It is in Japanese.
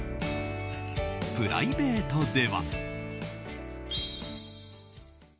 プライベートでは。